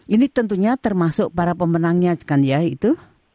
ini tentunya termasuk para pemenangnya kan ya itu